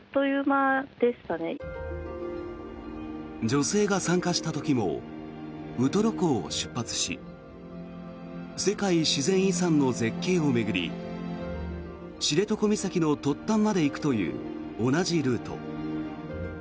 女性が参加した時もウトロ港を出発し世界自然遺産の絶景を巡り知床岬の突端まで行くという同じルート。